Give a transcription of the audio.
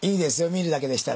見るだけでしたら。